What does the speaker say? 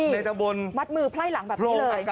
ในตะบนมัดมือไพร่หลังแบบนี้เลย